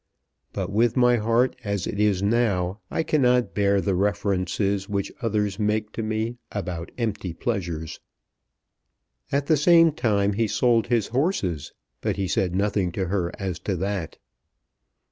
But with my heart as it is now I cannot bear the references which others make to me about empty pleasures." At the same time he sold his horses, but he said nothing to her as to that.